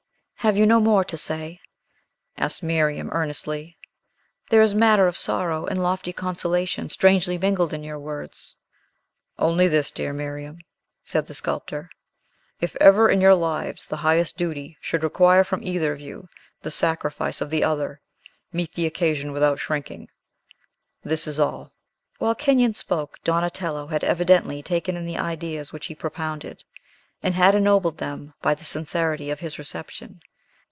"Have you no more to say?" asked Miriam earnestly. "There is matter of sorrow and lofty consolation strangely mingled in your words." "Only this, dear Miriam," said the sculptor; "if ever in your lives the highest duty should require from either of you the sacrifice of the other, meet the occasion without shrinking. This is all." While Kenyon spoke, Donatello had evidently taken in the ideas which he propounded, and had ennobled them by the sincerity of his reception.